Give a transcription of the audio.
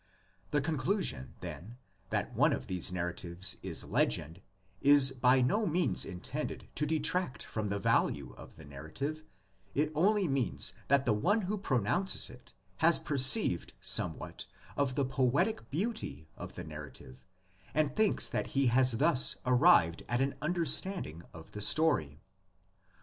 The conclusion, then, that one of these narratives is legend is by no means intended to detract from the value of the narrative; it only means that the one who pronounces it has perceived somewhat of the poetic beauty of the narrative and thinks that he has thus arrived at an understanding of the story.